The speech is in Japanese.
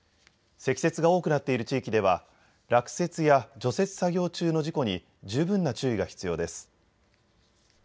積雪が多くなっている地域では落雪や除雪作業中の事故に十分な注意が必要です。